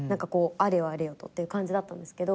あれよあれよとっていう感じだったんですけど。